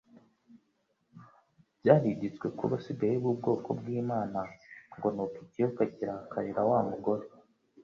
Byariditswe ku basigaye b'ubwoko bw'Imana ngo : "Nuko ikiyoka kirakarira wa mugore,